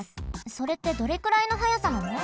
それってどれくらいの速さなの？